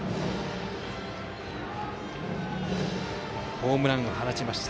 ホームランも放ちました。